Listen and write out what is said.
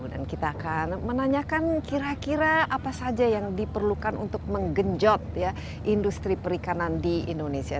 dan kita akan menanyakan kira kira apa saja yang diperlukan untuk menggenjot ya industri perikanan di indonesia